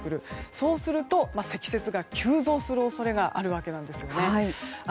そうすると積雪が急増する恐れがあるわけなんですね。